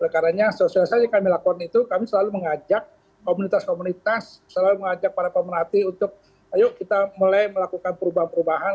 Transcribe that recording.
karena sosialisasi kami lakukan itu kami selalu mengajak komunitas komunitas selalu mengajak para pemerintah untuk ayo kita mulai melakukan perubahan perubahan